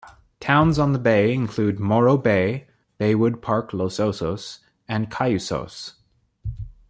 Towns on the bay include Morro Bay, Baywood Park-Los Osos, and Cayucos.